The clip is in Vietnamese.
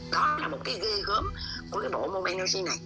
đó là cái ghê gớm của cái bộ momenergy này